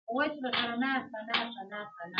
د خوني کونج کي یو نغری دی پکښي اور بلیږي؛